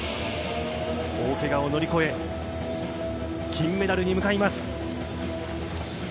大けがを乗り越え金メダルに向かいます。